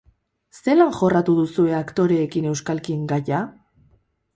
Zelan jorratu duzue aktoreekin euskalkien gaia?